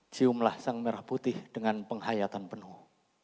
ciumlah sang merah putih dengan penghayatan penuh